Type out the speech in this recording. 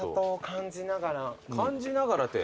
感じながらって。